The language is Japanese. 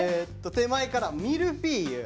手前から「ミルフィーユ」。